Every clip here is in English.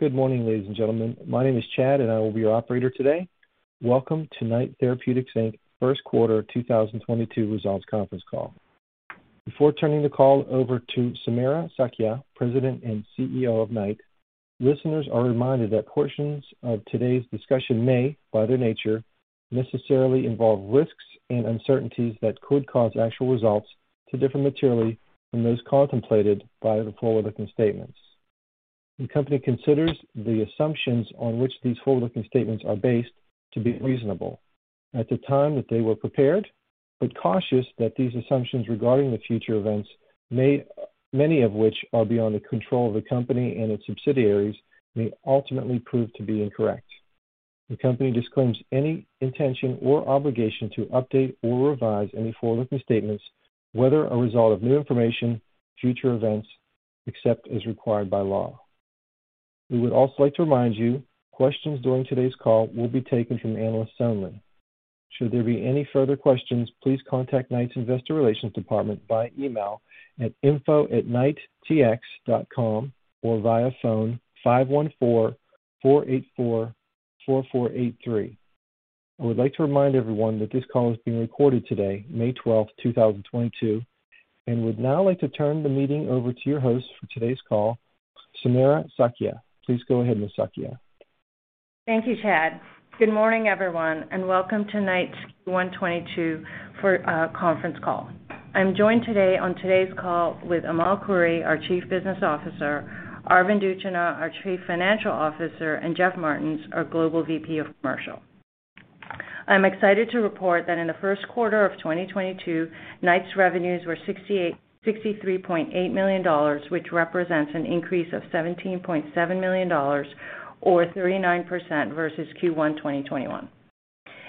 Good morning, ladies and gentlemen. My name is Chad, and I will be your operator today. Welcome to Knight Therapeutics Inc. Q1, 2022 Results Conference Call. Before turning the call over to Samira Sakhia, President and CEO of Knight, listeners are reminded that portions of today's discussion may, by their nature, necessarily involve risks and uncertainties that could cause actual results to differ materially from those contemplated by the forward-looking statements. The company considers the assumptions on which these forward-looking statements are based to be reasonable at the time that they were prepared, but cautions that these assumptions regarding the future events, may, many of which are beyond the control of the company and its subsidiaries, may ultimately prove to be incorrect. The company disclaims any intention or obligation to update or revise any forward-looking statements, whether as a result of new information, future events, except as required by law. We would also like to remind you, questions during today's call will be taken from the analyst only. Should there be any further questions, please contact Knight's Investor relations department by email at info@knighttx.com or via phone, 514-484-4483. I would like to remind everyone that this call is being recorded today, May 12, 2022. Would now like to turn the meeting over to your host for today's call, Samira Sakhia. Please go ahead, Ms. Sakhia. Thank you, Chad. Good morning, everyone, and welcome to Knight's Q1, 2022 conference call. I'm joined today on today's call with Amal Khouri, our Chief Business Officer, Arvind Utchanah, our Chief Financial Officer, and Jeff Martens, our Global VP of Commercial. I'm excited to report that in the Q1 of 2022, Knight's revenues were 63.8 million dollars, which represents an increase of 17.7 million dollars or 39% versus Q1, 2021.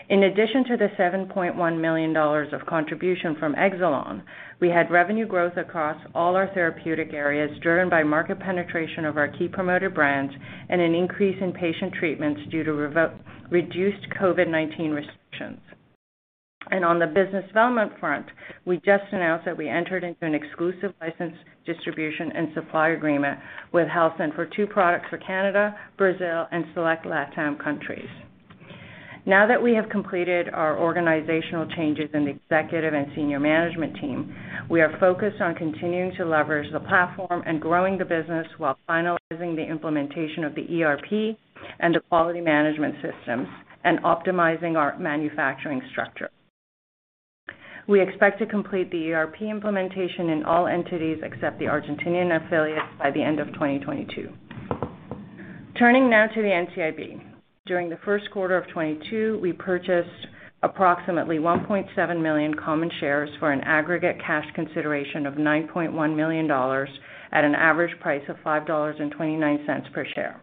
In addition to the 7.1 million dollars of contribution from Exelon, we had revenue growth across all our therapeutic areas, driven by market penetration of our key promoter brands and an increase in patient treatments due to reduced COVID-19 restrictions. On the business development front, we just announced that we entered into an exclusive license distribution and supply agreement with Helsinn for two products for Canada, Brazil, and select LATAM countries. Now that we have completed our organizational changes in the executive and senior management team, we are focused on continuing to leverage the platform and growing the business while finalizing the implementation of the ERP and the quality management systems and optimizing our manufacturing structure. We expect to complete the ERP implementation in all entities except the Argentinian affiliates by the end of 2022. Turning now to the NCIB. During the Q1 of 2022, we purchased approximately 1.7 million common shares for an aggregate cash consideration of 9.1 million dollars at an average price of 5.29 dollars per share.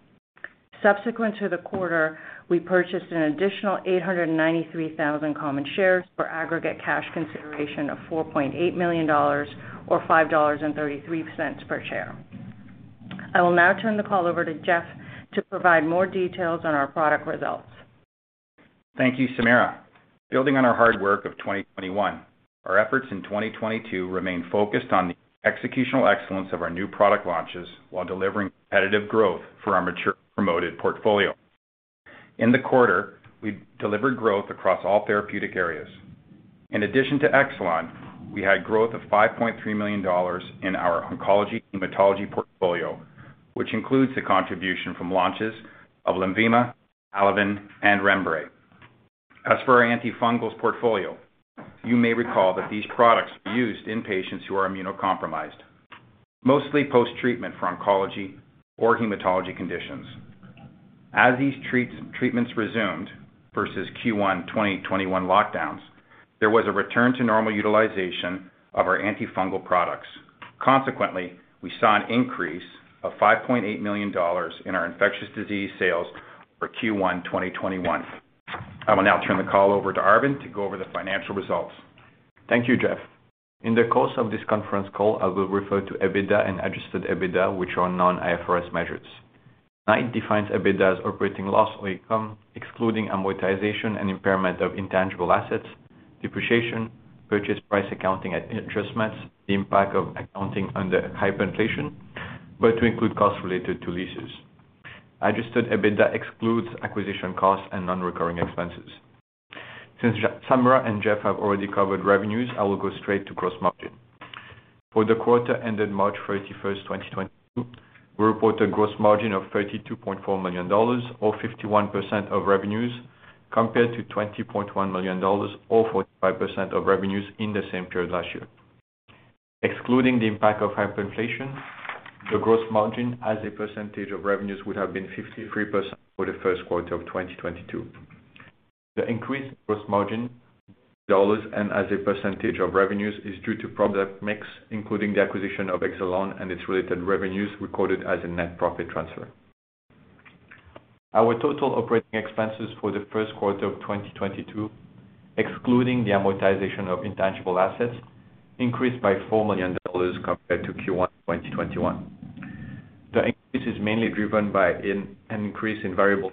Subsequent to the quarter, we purchased an additional 893,000 common shares for aggregate cash consideration of 4.8 million dollars or 5.33 dollars per share. I will now turn the call over to Jeff to provide more details on our product results. Thank you, Samira. Building on our hard work of 2021, our efforts in 2022 remain focused on the executional excellence of our new product launches while delivering competitive growth for our mature promoted portfolio. In the quarter, we delivered growth across all therapeutic areas. In addition to Exelon, we had growth of 5.3 million dollars in our oncology, hematology portfolio, which includes the contribution from launches of Lenvima, Halaven, and Rembre. As for our antifungals portfolio, you may recall that these products are used in patients who are immunocompromised, mostly post-treatment for oncology or hematology conditions. As these treatments resumed versus Q1, 2021 lockdowns, there was a return to normal utilization of our antifungal products. Consequently, we saw an increase of 5.8 million dollars in our infectious disease sales versus Q1, 2021. I will now turn the call over to Arvind to go over the financial results. Thank you, Jeff. In the course of this conference call, I will refer to EBITDA and Adjusted EBITDA, which are non-IFRS measures. Knight defines EBITDA as operating loss or income excluding amortization and impairment of intangible assets, depreciation, purchase price accounting adjustments, the impact of accounting under hyperinflation, but to include costs related to leases. Adjusted EBITDA excludes acquisition costs and non-recurring expenses. Since Samira and Jeff have already covered revenues, I will go straight to gross margin. For the quarter ended March 31st, 2022, we reported gross margin of 32.4 million dollars or 51% of revenues compared to 20.1 million dollars or 45% of revenues in the same period last year. Excluding the impact of hyperinflation, the gross margin as a percentage of revenues would have been 53% for the Q1 of 2022. The increased gross margin dollars and as a percentage of revenues is due to product mix, including the acquisition of Exelon and its related revenues recorded as a net profit transfer. Our total operating expenses for the Q1 of 2022, excluding the amortization of intangible assets, increased by 4 million dollars compared to Q1, 2021. The increase is mainly driven by an increase in variable,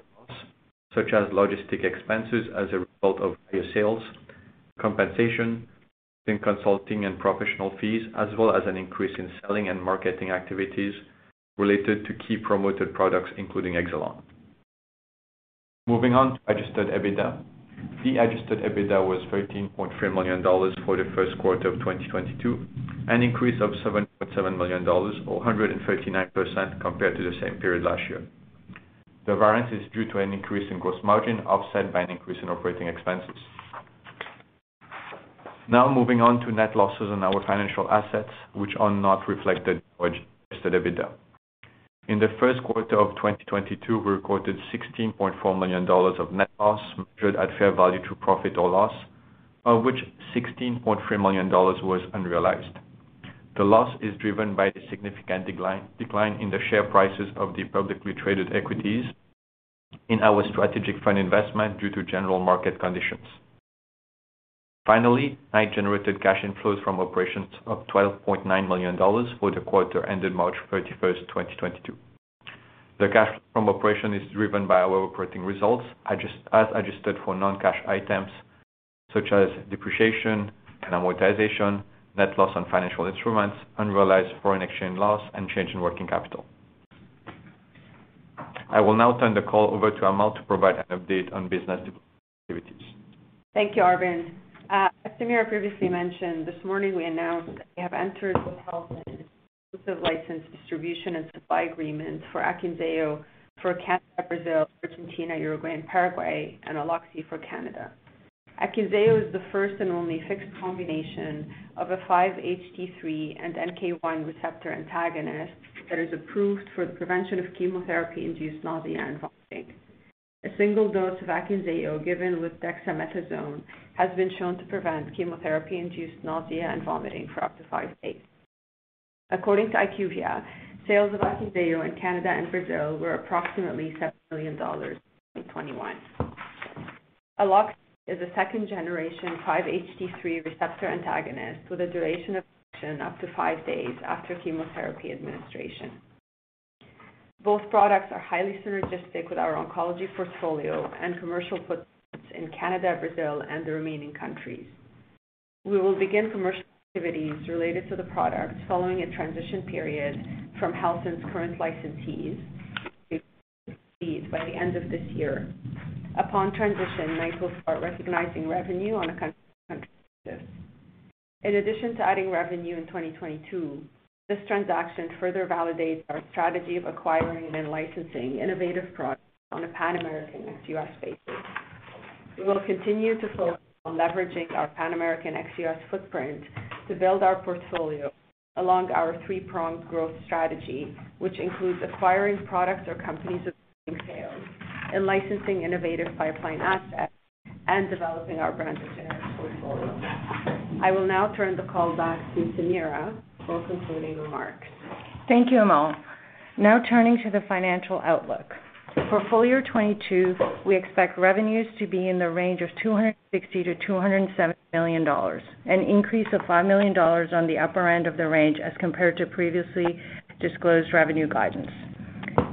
such as logistics expenses as a result of higher sales, compensation, consulting and professional fees, as well as an increase in selling and marketing activities related to key promoted products, including Exelon. Moving on to Adjusted EBITDA. The Adjusted EBITDA was CAD 13.3 million for the Q1 of 2022, an increase of CAD 7.7 million or 139% compared to the same period last year. The variance is due to an increase in gross margin, offset by an increase in operating expenses. Now moving on to net losses on our financial assets, which are not reflected in Adjusted EBITDA. In the Q1 of 2022, we recorded 16.4 million dollars of net loss measured at fair value through profit or loss, of which 16.3 million dollars was unrealized. The loss is driven by the significant decline in the share prices of the publicly traded equities in our strategic fund investment due to general market conditions. Finally, we generated cash inflows from operations of 12.9 million dollars for the quarter ended March 31st, 2022. The cash from operations is driven by our operating results, as adjusted for non-cash items such as depreciation and amortization, net loss on financial instruments, unrealized foreign exchange loss, and change in working capital. I will now turn the call over to Amal to provide an update on business activities. Thank you, Arvind. As Samira previously mentioned, this morning, we announced that we have entered into with Helsinn an exclusive license distribution and supply agreement for Akynzeo for Canada, Brazil, Argentina, Uruguay, and Paraguay, and Aloxi for Canada. Akynzeo is the first and only fixed combination of a 5-HT3 and NK-1 receptor antagonist that is approved for the prevention of chemotherapy-induced nausea and vomiting. A single dose of Akynzeo, given with dexamethasone, has been shown to prevent chemotherapy-induced nausea and vomiting for up to five days. According to IQVIA, sales of Akynzeo in Canada and Brazil were approximately 7 million dollars in 2021. Aloxi is a second-generation 5-HT3 receptor antagonist with a duration of action up to five days after chemotherapy administration. Both products are highly synergistic with our oncology portfolio and commercial footprints in Canada, Brazil, and the remaining countries. We will begin commercial activities related to the products following a transition period from Helsinn's current licensees by the end of this year. Upon transition, Knight will start recognizing revenue on a country basis. In addition to adding revenue in 2022, this transaction further validates our strategy of acquiring and licensing innovative products on a Pan-American ex-US basis. We will continue to focus on leveraging our Pan-American ex-US footprint to build our portfolio along our three-pronged growth strategy, which includes acquiring products or companies with strong sales and licensing innovative pipeline assets and developing our brand generic portfolio. I will now turn the call back to Samira for concluding remarks. Thank you, Amal. Now turning to the financial outlook. For full year 2022, we expect revenues to be in the range of 260 million-270 million dollars, an increase of 5 million dollars on the upper end of the range as compared to previously disclosed revenue guidance.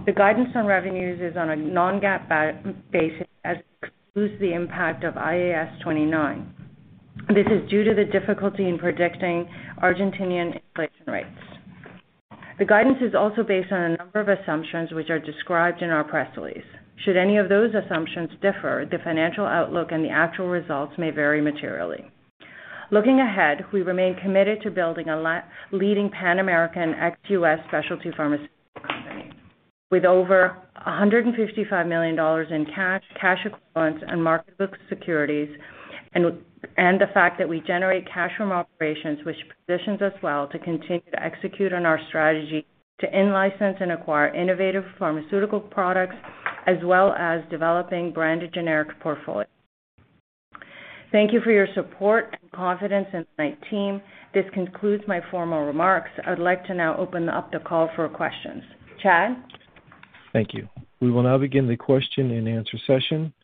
The guidance on revenues is on a non-GAAP basis as it excludes the impact of IAS 29. This is due to the difficulty in predicting Argentinian inflation rates. The guidance is also based on a number of assumptions which are described in our press release. Should any of those assumptions differ, the financial outlook and the actual results may vary materially. Looking ahead, we remain committed to building a leading pan-American (ex-US) specialty pharmaceutical company. With over 155 million dollars in cash equivalents, and marketable securities, and the fact that we generate cash from operations, which positions us well to continue to execute on our strategy to in-license and acquire innovative pharmaceutical products, as well as developing branded generic portfolios. Thank you for your support and confidence in the Knight team. This concludes my formal remarks. I'd like to now open up the call for questions. Chad? Thank you. We will now begin the question and answer session.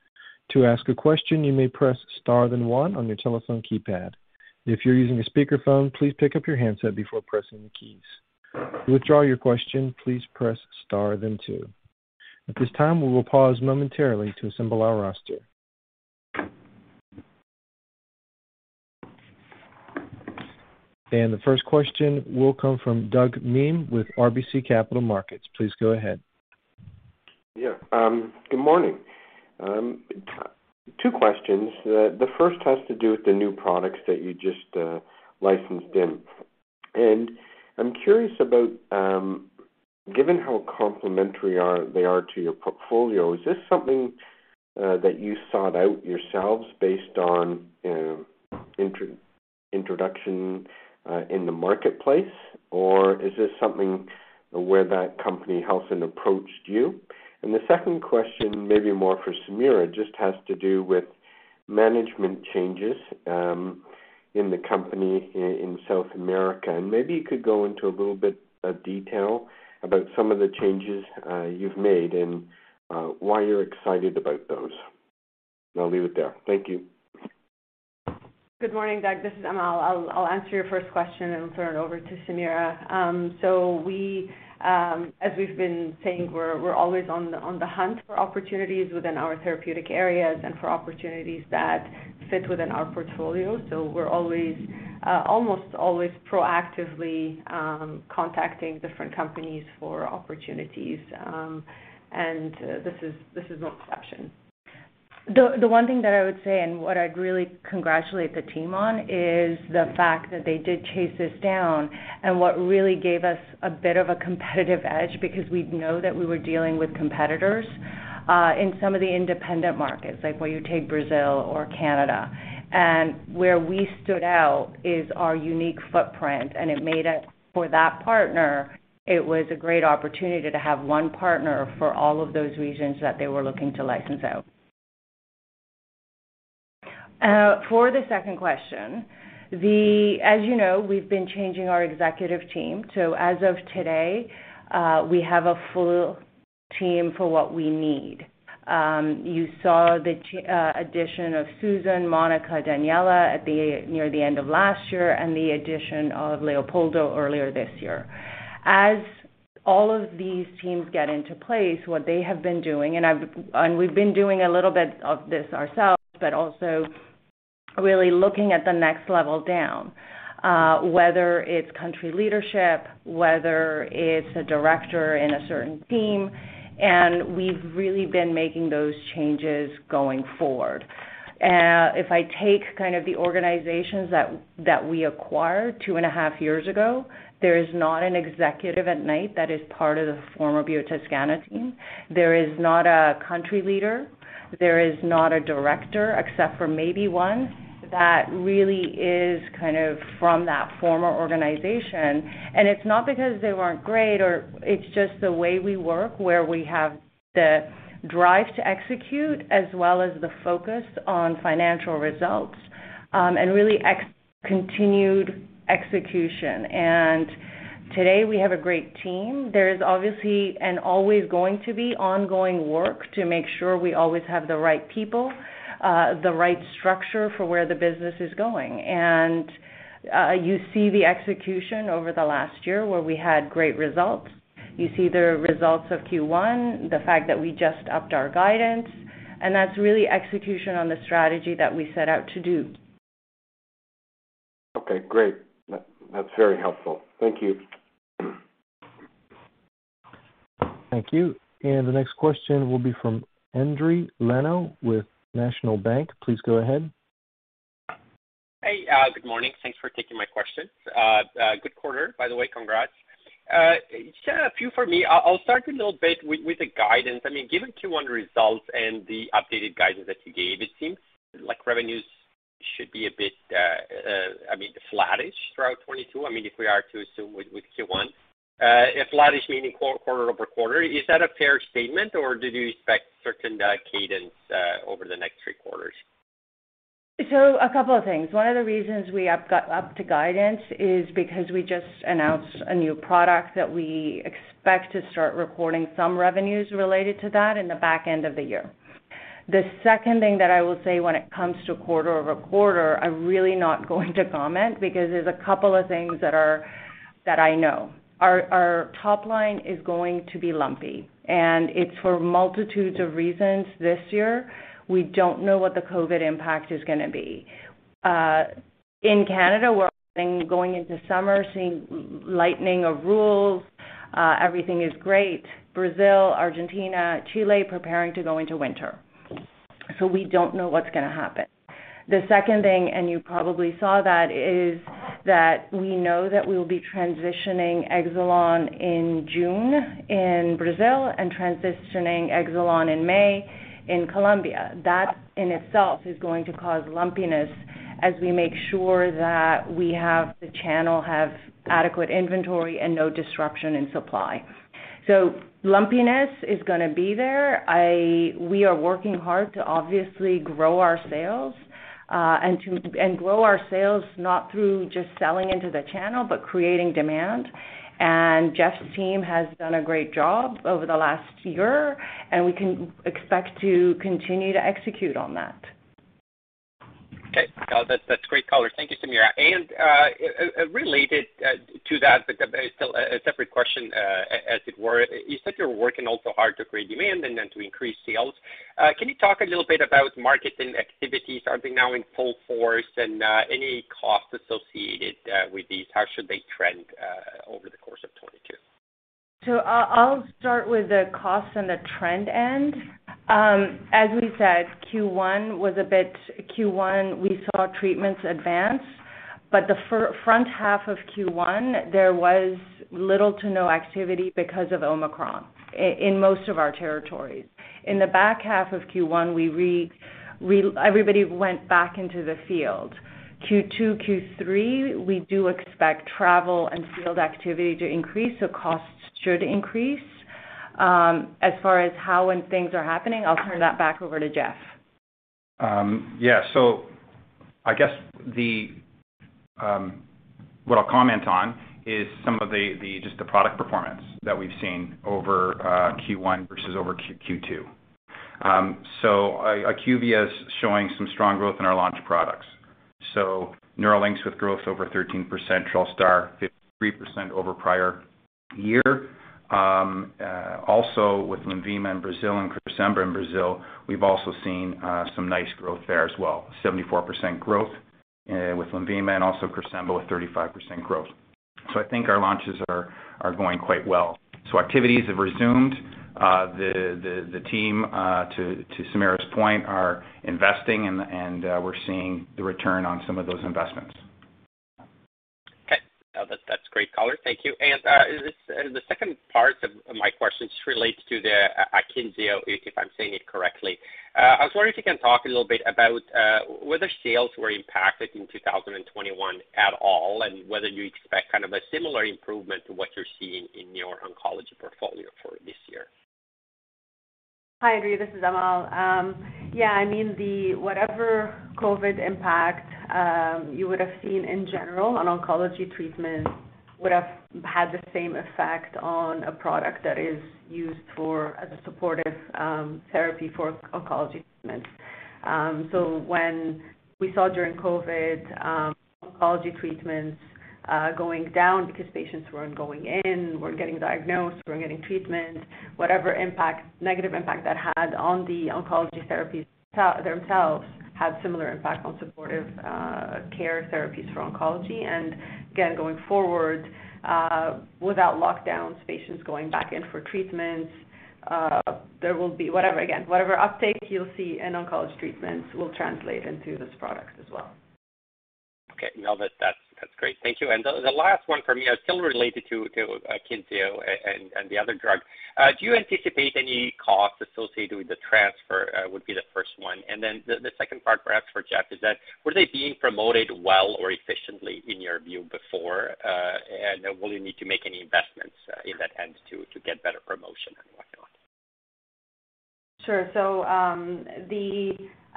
To ask a question, you may press star then one on your telephone keypad. If you're using a speakerphone, please pick up your handset before pressing the keys. To withdraw your question, please press star then two. At this time, we will pause momentarily to assemble our roster. The first question will come from Doug Miehm with RBC Capital Markets. Please go ahead. Yeah. Good morning. Two questions. The first has to do with the new products that you just licensed in. I'm curious about, given how complementary they are to your portfolio, is this something that you sought out yourselves based on, you know, introduction in the marketplace, or is this something where that company Helsinn approached you? The second question, maybe more for Samira Sakhia, just has to do with management changes in the company in South America. Maybe you could go into a little bit of detail about some of the changes you've made and why you're excited about those. I'll leave it there. Thank you. Good morning, Doug. This is Amal. I'll answer your first question, and then turn it over to Samira. We, as we've been saying, we're always on the hunt for opportunities within our therapeutic areas and for opportunities that fit within our portfolio. We're always almost always proactively contacting different companies for opportunities. This is no exception. The one thing that I would say, and what I'd really congratulate the team on is the fact that they did chase this down and what really gave us a bit of a competitive edge because we'd know that we were dealing with competitors in some of the independent markets, like where you take Brazil or Canada. Where we stood out is our unique footprint, and it made it, for that partner, it was a great opportunity to have one partner for all of those regions that they were looking to license out. For the second question, as you know, we've been changing our executive team. As of today, we have a full team for what we need. You saw the addition of Susan, Monica, Daniella near the end of last year and the addition of Leopoldo earlier this year. As all of these teams get into place, what they have been doing, and we've been doing a little bit of this ourselves, but also really looking at the next level down, whether it's country leadership, whether it's a director in a certain team, and we've really been making those changes going forward. If I take the organizations that we acquired two and a half years ago, there is not an executive at Knight that is part of the former Biotoscana team. There is not a country leader. There is not a director, except for maybe one, that really is from that former organization. It's not because they weren't great or. It's just the way we work, where we have the drive to execute as well as the focus on financial results, and really continued execution. Today, we have a great team. There is obviously and always going to be ongoing work to make sure we always have the right people, the right structure for where the business is going. You see the execution over the last year, where we had great results. You see the results of Q1, the fact that we just upped our guidance, and that's really execution on the strategy that we set out to do. Okay, great. That's very helpful. Thank you. Thank you. The next question will be from Endri Leno with National Bank. Please go ahead. Hey, good morning. Thanks for taking my questions. Good quarter, by the way, congrats. Just have a few for me. I'll start with a little bit with the guidance. I mean, given Q1 results and the updated guidance that you gave, it seems like revenues should be a bit, I mean, flattish throughout 2022, I mean, if we are to assume with Q1. If flattish meaning quarter-over-quarter, is that a fair statement, or did you expect certain cadence over the next three quarters? A couple of things. One of the reasons we up to guidance is because we just announced a new product that we expect to start recording some revenues related to that in the back end of the year. The second thing that I will say when it comes to quarter-over-quarter, I'm really not going to comment because there's a couple of things that I know. Our top line is going to be lumpy, and it's for multitudes of reasons this year. We don't know what the COVID impact is gonna be. In Canada, we're going into summer, seeing lightening of rules, everything is great. Brazil, Argentina, Chile, preparing to go into winter. We don't know what's gonna happen. The second thing, and you probably saw that, is that we know that we'll be transitioning Exelon in June in Brazil and transitioning Exelon in May in Colombia. That in itself is going to cause lumpiness as we make sure that the channel has adequate inventory and no disruption in supply. Lumpiness is gonna be there. We are working hard to obviously grow our sales, and to grow our sales not through just selling into the channel, but creating demand. Jeff's team has done a great job over the last year, and we can expect to continue to execute on that. Okay. That's great color. Thank you, Samira. Related to that, but still a separate question, as it were, you said you're working also hard to create demand and then to increase sales. Can you talk a little bit about marketing activities? Are they now in full force? Any costs associated with these? How should they trend over the course of 2022? I'll start with the cost and the trend end. As we said, Q1 was a bit. Q1, we saw treatments advance. The front half of Q1, there was little to no activity because of Omicron in most of our territories. In the back half of Q1, everybody went back into the field. Q2, Q3, we do expect travel and field activity to increase, so costs should increase. As far as R&D things are happening, I'll turn that back over to Jeff. Yeah. I guess the, what I'll comment on, is some of the just product performance that we've seen over Q1 versus Q2. Acuvia is showing some strong growth in our launch products. Nerlynx with growth over 13%, Trelstar 53% over prior year. Also with Lenvima in Brazil and Cresemba in Brazil, we've also seen some nice growth there as well. 74% growth with Lenvima and also Cresemba with 35% growth. I think our launches are going quite well. Activities have resumed. The team, to Samira's point, are investing and we're seeing the return on some of those investments. Okay. That's great color. Thank you. The second part of my question just relates to the Akynzeo, if I'm saying it correctly. I was wondering if you can talk a little bit about whether sales were impacted in 2021 at all, and whether you expect a similar improvement to what you're seeing in your oncology portfolio for this year. Hi, Endri. This is Amal. I mean, the whatever COVID impact you would have seen in general on oncology treatments would have had the same effect on a product that is used for as a supportive therapy for oncology treatments. When we saw during COVID oncology treatments going down because patients weren't going in, weren't getting diagnosed, weren't getting treatment, whatever impact, negative impact that had on the oncology therapies themselves had similar impact on supportive care therapies for oncology. Again, going forward, without lockdowns, patients going back in for treatments, there will be whatever again, whatever uptake you'll see in oncology treatments will translate into this product as well. Okay. That's great. Thank you. The last one for me is still related to Akynzeo and the other drug. Do you anticipate any costs associated with the transfer? That would be the first one. The second part perhaps for Jeff is, were they being promoted well or efficiently in your view before? Will you need to make any investments in that end to get better promotion and what not? Sure.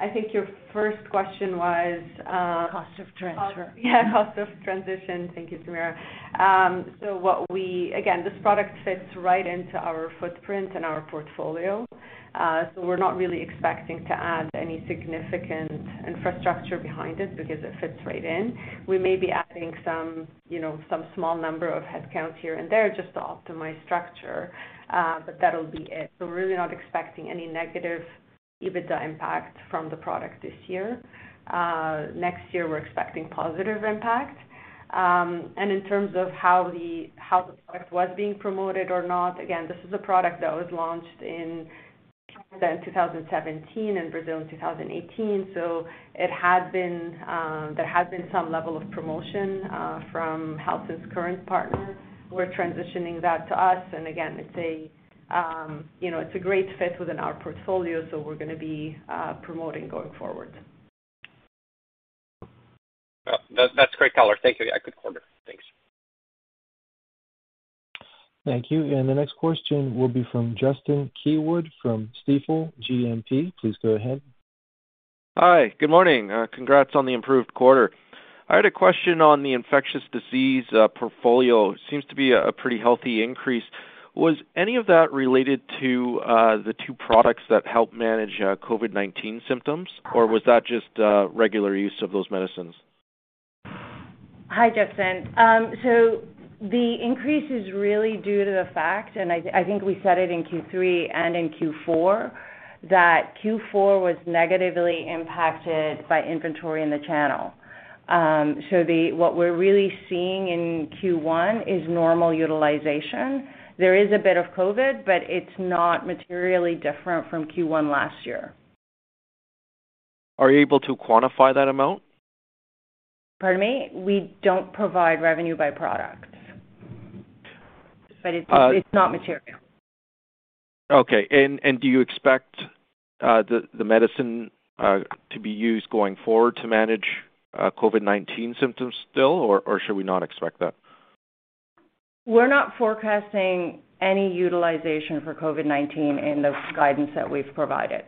I think your first question was, Cost of transfer. Yeah, cost of transition. Thank you, Samira. Again, this product fits right into our footprint and our portfolio. We're not really expecting to add any significant infrastructure behind it because it fits right in. We may be adding some, you know, some small number of headcounts here and there just to optimize structure, but that'll be it. We're really not expecting any negative EBITDA impact from the product this year. Next year, we're expecting positive impact. In terms of how the product was being promoted or not, again, this is a product that was launched in Canada in 2017, in Brazil in 2018. There had been some level of promotion from Helsinn's current partner who are transitioning that to us. Again, it's a great fit within our portfolio, so we're gonna be promoting going forward. Well, that's great color. Thank you. Yeah, good quarter. Thanks. Thank you. The next question will be from Justin Keywood from Stifel GMP. Please go ahead. Hi. Good morning. Congrats on the improved quarter. I had a question on the infectious disease portfolio. Seems to be a pretty healthy increase. Was any of that related to the two products that help manage COVID-19 symptoms or was that just regular use of those medicines? Hi, Justin. The increase is really due to the fact, and I think we said it in Q3 and in Q4, that Q4 was negatively impacted by inventory in the channel. What we're really seeing in Q1 is normal utilization. There is a bit of COVID, but it's not materially different from Q1 last year. Are you able to quantify that amount? Pardon me? We don't provide revenue by products. It's not material. Okay. Do you expect the medicine to be used going forward to manage COVID-19 symptoms still, or should we not expect that? We're not forecasting any utilization for COVID-19 in the guidance that we've provided.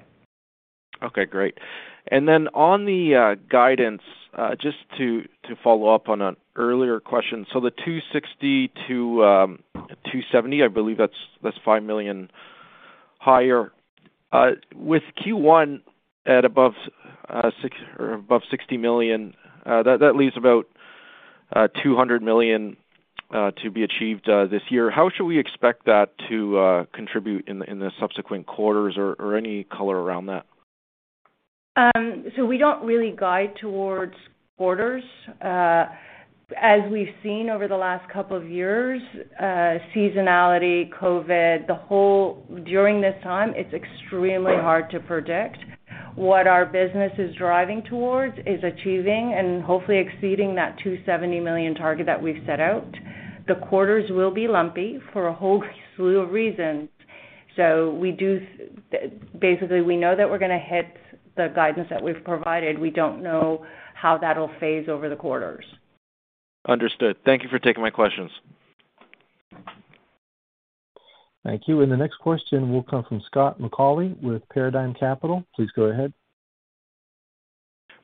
Okay, great. Then on the guidance, just to follow up on an earlier question. The 260 to 270, I believe that's 5 million higher. With Q1 at above 60 million, that leaves about 200 million to be achieved this year. How should we expect that to contribute in the subsequent quarters or any color around that? We don't really guide towards quarters. As we've seen over the last couple of years, seasonality, COVID. During this time, it's extremely hard to predict. What our business is driving towards is achieving and hopefully exceeding that 270 million target that we've set out. The quarters will be lumpy for a whole slew of reasons. Basically, we know that we're gonna hit the guidance that we've provided. We don't know how that'll phase over the quarters. Understood. Thank you for taking my questions. Thank you. The next question will come from Scott McAuley with Paradigm Capital. Please go ahead.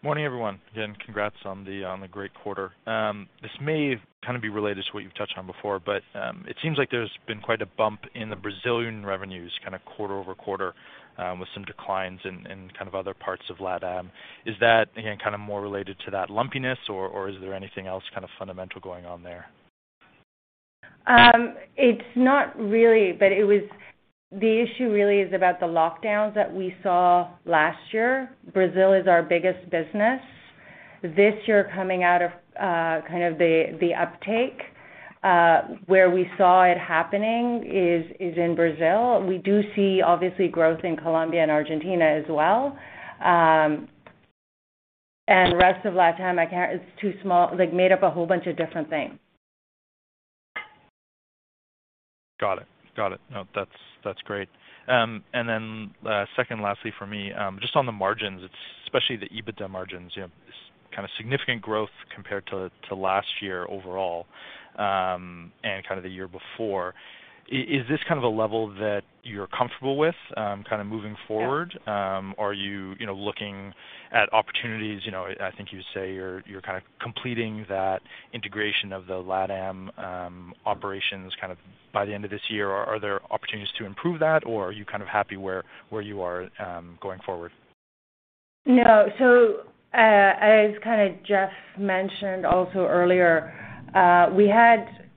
Morning, everyone. Again, congrats on the great quarter. This may kind of be related to what you've touched on before, but it seems like there's been quite a bump in the Brazilian revenues kind of quarter-over-quarter, with some declines in kind of other parts of LATAM. Is that, again, more related to that lumpiness or is there anything else fundamental going on there? It's not really, but the issue really is about the lockdowns that we saw last year. Brazil is our biggest business. This year, coming out of the uptick where we saw it happening is in Brazil. We do see obviously growth in Colombia and Argentina as well. The rest of LATAM, I can't. It's too small. Like, made up a whole bunch of different things. Got it. No, that's great. Then second lastly for me, just on the margins, it's especially the EBITDA margins. You know, this kind of significant growth compared to last year overall, and kind of the year before. Is this a level that you're comfortable with moving forward? Are you know, looking at opportunities? I think you say you're completing that integration of the LATAM operations kind of by the end of this year. Are there opportunities to improve that, or are you happy where you are, going forward? No. As kind of Jeff mentioned also earlier, we had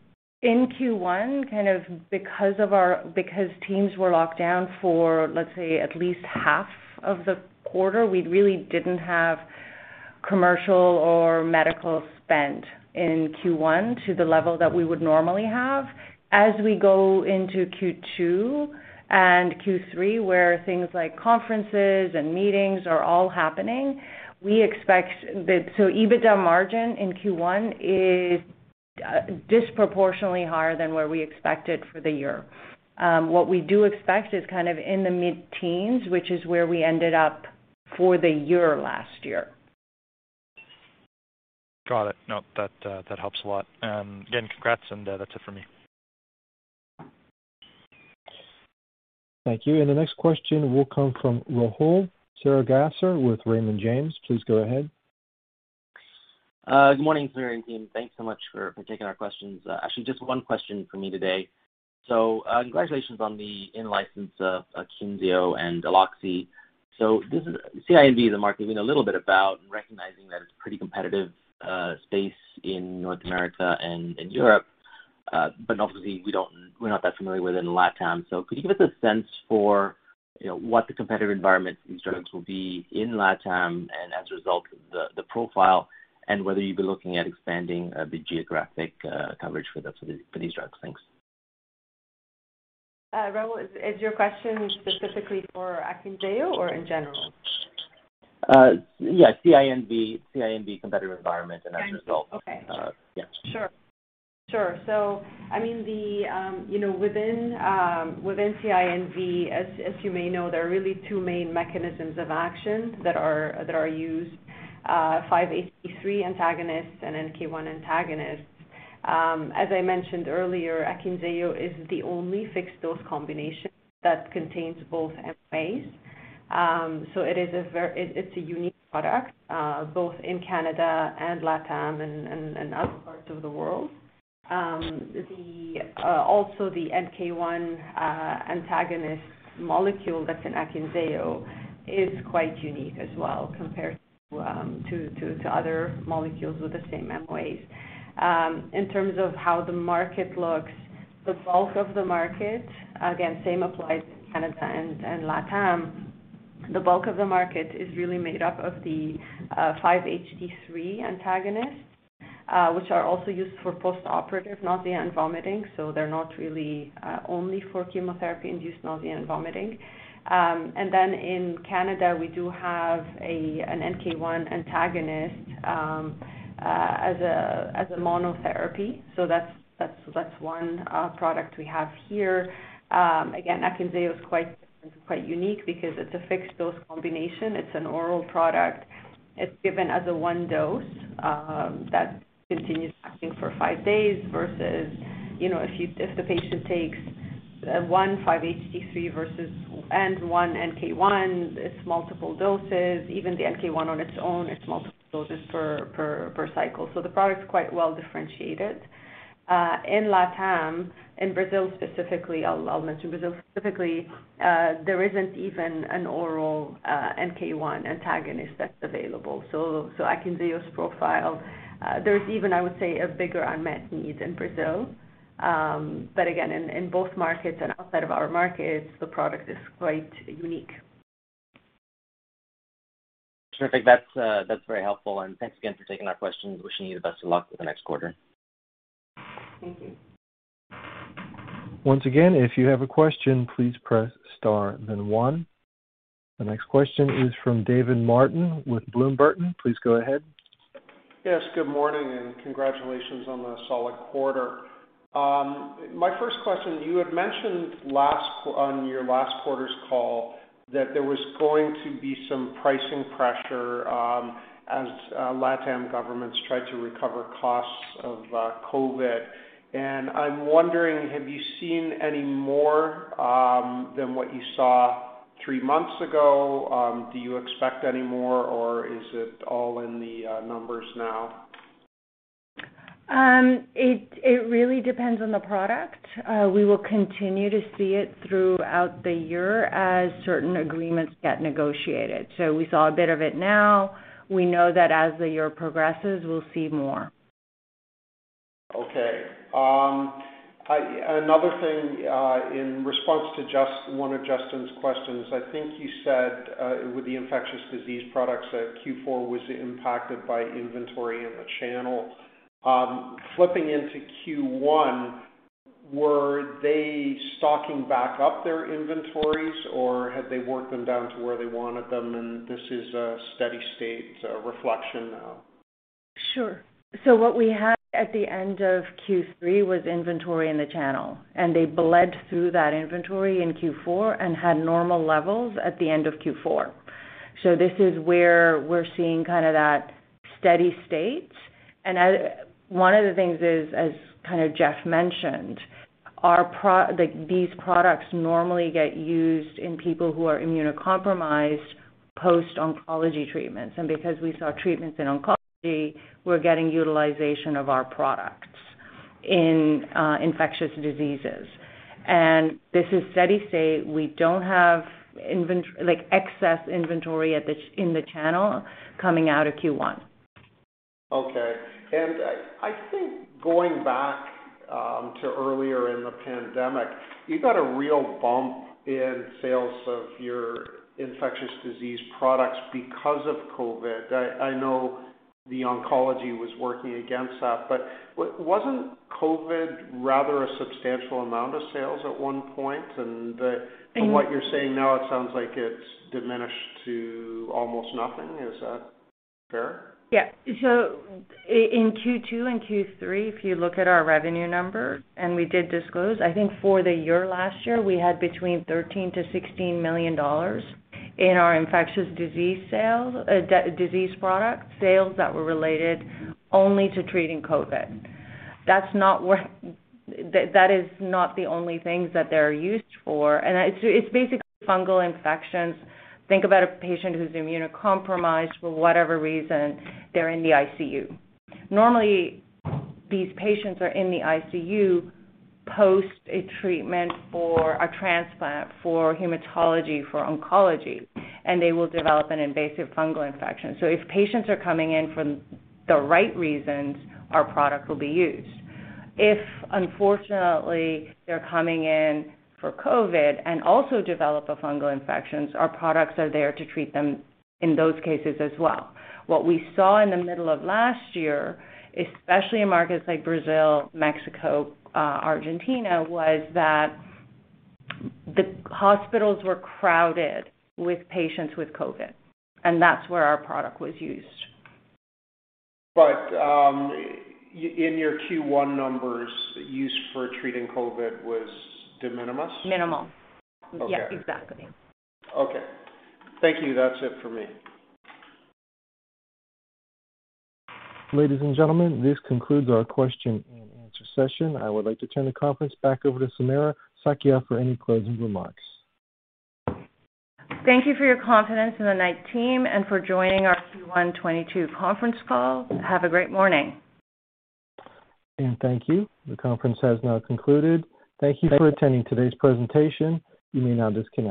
in Q1, kind of because teams were locked down for, let's say, at least half of the quarter, we really didn't have commercial or medical spend in Q1 to the level that we would normally have. As we go into Q2 and Q3, where things like conferences and meetings are all happening, we expect. EBITDA margin in Q1 is disproportionately higher than what we expected for the year. What we do expect is kind of in the mid-teens, which is where we ended up for the year last year. Got it. No, that helps a lot. Again, congrats, that's it for me. Thank you. The next question will come from Rahul Sarugaser with Raymond James. Please go ahead. Good morning, Samira and team. Thanks so much for taking our questions. Actually, just one question for me today. Congratulations on the in-license, Akynzeo and Aloxi. This is CINV, the market we know a little bit about and recognizing that it's pretty competitive space in North America and in Europe. Obviously we're not that familiar with it in LATAM. Could you give us a sense for, you know, what the competitive environment these drugs will be in LATAM and as a result, the profile and whether you'd be looking at expanding the geographic coverage for these drugs? Thanks. Rahul, is your question specifically for Akynzeo or in general? Yeah, CINV competitive environment and as a result. Okay. Yeah. Sure. I mean, you know, within CINV, as you may know, there are really two main mechanisms of action that are used, 5-HT3 antagonists and NK-1 antagonists. As I mentioned earlier, Akynzeo is the only fixed-dose combination that contains both MOAs. It is a unique product, both in Canada and LATAM and other parts of the world. Also the NK-1 antagonist molecule that is in Akynzeo is quite unique as well compared to other molecules with the same MOAs. In terms of how the market looks, the bulk of the market, again, same applies in Canada and LATAM. The bulk of the market is really made up of the 5-HT3 antagonists, which are also used for postoperative nausea and vomiting, so they're not really only for chemotherapy-induced nausea and vomiting. In Canada, we do have an NK-1 antagonist as a monotherapy. That's one product we have here. Again, Akynzeo is quite different, quite unique because it's a fixed-dose combination. It's an oral product. It's given as a one dose that continues acting for five days versus, you know, if the patient takes one 5-HT3 versus an NK-1, it's multiple doses. Even the NK-1 on its own, it's multiple doses per cycle. So the product's quite well-differentiated. In LATAM, in Brazil specifically, I'll mention Brazil specifically. There isn't even an oral NK-1 antagonist that's available. Akynzeo's profile, there's even, I would say, a bigger unmet need in Brazil. Again, in both markets and outside of our markets, the product is quite unique. Terrific. That's very helpful. Thanks again for taking our questions. Wishing you the best of luck for the next quarter. Thank you. Once again, if you have a question, please press star then one. The next question is from David Martin with Bloom Burton. Please go ahead. Yes, good morning, and congratulations on the solid quarter. My first question, you had mentioned on your last quarter's call that there was going to be some pricing pressure, as LATAM governments tried to recover costs of COVID. I'm wondering, have you seen any more than what you saw three months ago? Do you expect any more, or is it all in the numbers now? It really depends on the product. We will continue to see it throughout the year as certain agreements get negotiated. We saw a bit of it now. We know that as the year progresses, we'll see more. Okay. Another thing, in response to one of Justin's questions, I think you said, with the infectious disease products that Q4 was impacted by inventory in the channel. Flipping into Q1, were they stocking back up their inventories, or had they worked them down to where they wanted them and this is a steady state, reflection now? Sure. What we had at the end of Q3 was inventory in the channel, and they bled through that inventory in Q4 and had normal levels at the end of Q4. This is where we're seeing that steady state. One of the things is, as Jeff mentioned, like these products normally get used in people who are immunocompromised post-oncology treatments. Because we saw treatments in oncology, we're getting utilization of our products in infectious diseases. This is steady state. We don't have like, excess inventory in the channel coming out of Q1. Okay. I think going back to earlier in the pandemic, you got a real bump in sales of your infectious disease products because of COVID. I know the oncology was working against that, but wasn't COVID rather a substantial amount of sales at one point? From what you're saying now, it sounds like it's diminished to almost nothing. Is that fair? Yeah. In Q2 and Q3, if you look at our revenue number, and we did disclose, I think for the year last year, we had between 13 million-16 million dollars in our infectious disease sales, disease product sales that were related only to treating COVID. That's not the only things that they're used for. It's basically fungal infections. Think about a patient who's immunocompromised for whatever reason they're in the ICU. Normally, these patients are in the ICU post a treatment for a transplant, for hematology, for oncology, and they will develop an invasive fungal infection. If patients are coming in for the right reasons, our product will be used. If, unfortunately, they're coming in for COVID and also develop a fungal infections, our products are there to treat them in those cases as well. What we saw in the middle of last year, especially in markets like Brazil, Mexico, Argentina, was that the hospitals were crowded with patients with COVID, and that's where our product was used. In your Q1 numbers, use for treating COVID was de minimis? Minimal. Okay. Yes, exactly. Okay. Thank you. That's it for me. Ladies and gentlemen, this concludes our question and answer session. I would like to turn the conference back over to Samira Sakhia for any closing remarks. Thank you for your confidence in the Knight team and for joining our Q1, 2022 conference call. Have a great morning. Thank you. The conference has now concluded. Thank you for attending today's presentation. You may now disconnect.